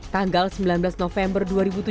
tanggal sembilan belas november dua ribu tujuh belas